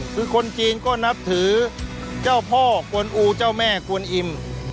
คือคนจีนก็นับถือเจ้าพ่อกวนอูเจ้าแม่กวนอิ่ม